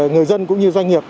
người dân cũng như doanh nghiệp